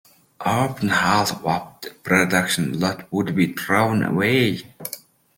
Often half of a production lot would be thrown away.